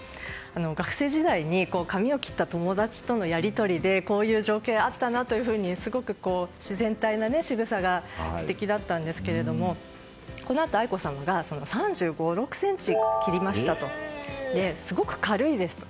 学生時代髪を切った友達とのやり取りでこういう情景があったなとすごく自然体なしぐさが素敵だったんですけどこのあと愛子さまが３５３６ｃｍ切りました、すごく軽いですと。